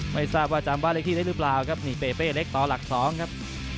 ไม่ทราบว่าจำบ้านเลขที่ได้หรือเปล่าครับนี่เปเป้เล็กต่อหลักสองครับ